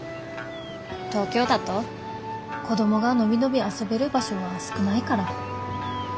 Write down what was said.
東京だと子供が伸び伸び遊べる場所は少ないから。